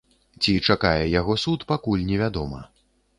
Ці чакае яго суд, пакуль невядома.